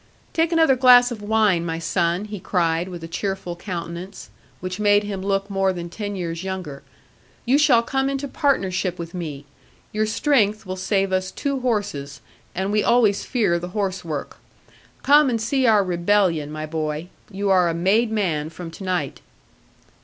'Take another glass of wine, my son,' he cried with a cheerful countenance, which made him look more than ten years younger; 'you shall come into partnership with me: your strength will save us two horses, and we always fear the horse work. Come and see our rebellion, my boy; you are a made man from to night.'